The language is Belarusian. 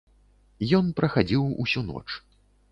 Ён прахадзіў усю ноч.